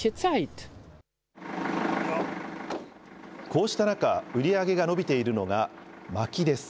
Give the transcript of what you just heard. こうした中、売り上げが伸びているのが、まきです。